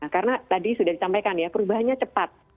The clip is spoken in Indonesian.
karena tadi sudah ditampaikan ya perubahannya cepat